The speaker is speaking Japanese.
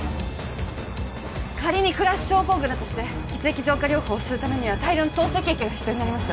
仮にクラッシュ症候群だとして血液浄化療法をするためには大量の透析液が必要になります